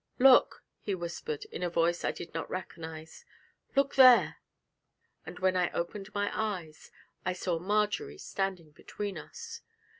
'Look,' he whispered, in a voice I did not recognise, 'look there!' And when I opened my eyes, I saw Marjory standing between us!